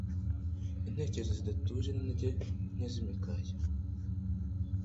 intekerezo zidatuje, n’intege nke z’imikaya.